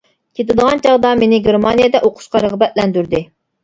كېتىدىغان چاغدا مېنى گېرمانىيەدە ئوقۇشقا رىغبەتلەندۈردى.